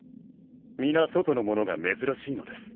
皆外の者が珍しいのです。